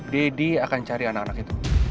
deddy akan cari anak anak itu